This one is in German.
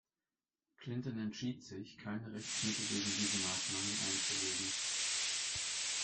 Clinton entschied sich, keine Rechtsmittel gegen diese Maßnahmen einzulegen.